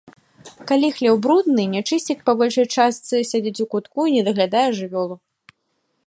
Калі хлеў брудны, нячысцік па большай частцы сядзіць у кутку і не даглядае жывёлу.